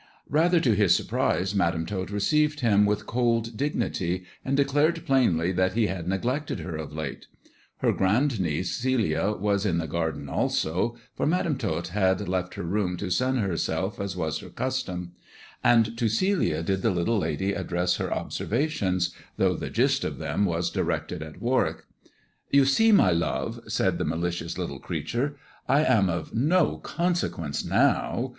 Rather to his surprise Madam Tot received him with cold dignity, and declared plainly that he had neglected her of lata Her grand niece Celia was in the garden also — for Madam Tot had left her room to sun herself, as was her custom — and to Celia did the little lady address her observations, though the gist of them was directed at Warwick. " You see, my love," said the malicious little creature, "I am of no consequence now.